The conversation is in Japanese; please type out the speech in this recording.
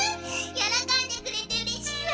よろこんでくれてうれしいわ！